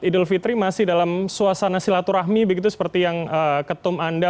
idul fitri masih dalam suasana silaturahmi begitu seperti yang ketum anda